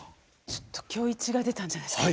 ちょっと今日イチが出たんじゃないですか。